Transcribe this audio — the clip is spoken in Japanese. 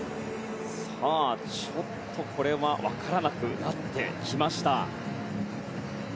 ちょっとこれは分からなくなってきました。